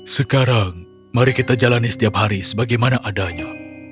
sekarang mari kita jalani setiap hari sebagaimana adanya